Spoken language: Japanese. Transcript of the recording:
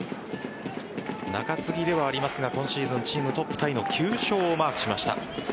中継ぎではありますが今シーズンチームトップタイの９勝をマークしました。